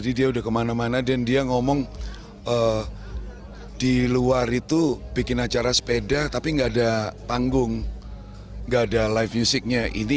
dan dia ngomong di luar itu bikin acara sepeda tapi gak ada panggung gak ada live music nya